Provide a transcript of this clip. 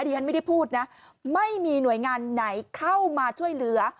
ฉันไม่ได้พูดนะไม่มีหน่วยงานไหนเข้ามาช่วยเหลือ